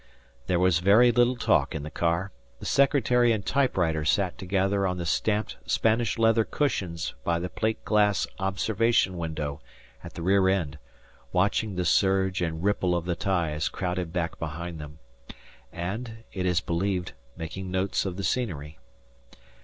There was very little talk in the car. The secretary and typewriter sat together on the stamped Spanish leather cushions by the plate glass observation window at the rear end, watching the surge and ripple of the ties crowded back behind them, and, it is believed, making notes of the scenery.